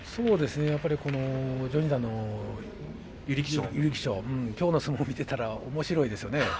序二段の優力勝きょうの相撲を見ていたらおもしろいですよね。